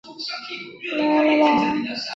中国江苏江阴人。